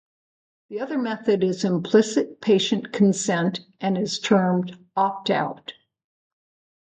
The other method is implicit patient consent and is termed "opt-out".